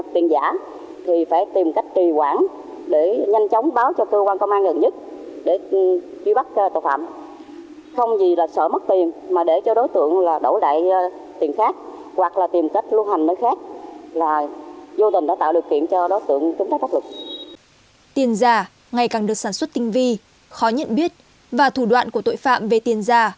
tiền giả ngày càng được sản xuất tinh vi khó nhận biết và thủ đoạn của tội phạm về tiền giả